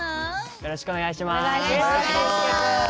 よろしくお願いします！